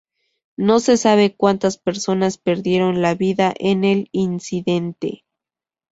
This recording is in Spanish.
No se sabe cuántas personas perdieron la vida en el incidente.